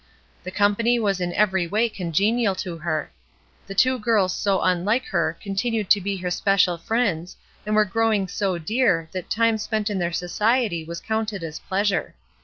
The company was in every way congenial to her. The two girls so unlike her continued to be her special friends and were growing so dear that time spent in their society was counted as pleasure.